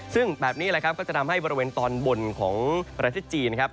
ซึ่งแบบนี้แหละครับก็จะทำให้บริเวณตอนบนของประเทศจีนนะครับ